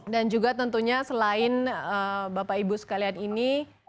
dan juga tentunya selain bapak ibu sekalian ini